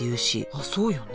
あっそうよね。